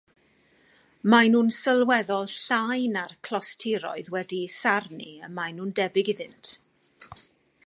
Maen nhw'n sylweddol llai na'r clostiroedd wedi'u sarnu y maen nhw'n debyg iddynt.